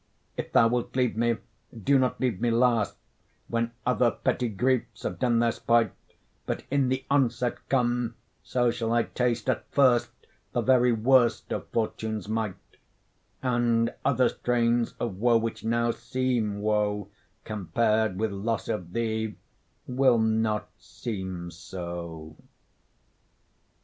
If thou wilt leave me, do not leave me last, When other petty griefs have done their spite, But in the onset come: so shall I taste At first the very worst of fortune's might; And other strains of woe, which now seem woe, Compar'd with loss of thee, will not seem so.